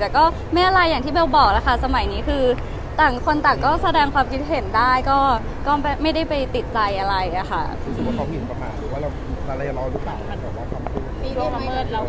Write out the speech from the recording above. แต่ก็ไม่อะไรอย่างที่เบลบอกแล้วค่ะสมัยนี้คือต่างคนต่างก็แสดงความคิดเห็นได้ก็ก็ไม่ได้ไปติดใจอะไรอ่ะค่ะรู้สึกว่าเขาเห็นประมาณว่าเรามีอะไรร้อนหรือเปล่า